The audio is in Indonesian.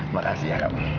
makasih ya kak